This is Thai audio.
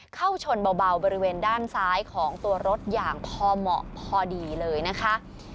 เข้าชนเบาบริเวณด้านซ้ายของตัวรถอย่างพอเหมาะพอดีเลยนะคะ